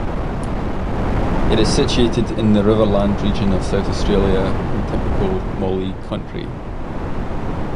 It is situated in the Riverland region of South Australia, in typical 'Mallee' country.